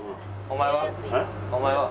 お前は？